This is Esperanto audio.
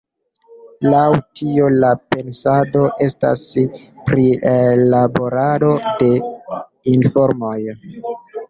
Laŭ tio la pensado estas prilaborado de informoj.